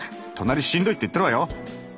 隣しんどいって言ってるわよ。